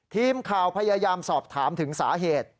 ทีมข่าวพยายามสอบถามถึงสาเหตุ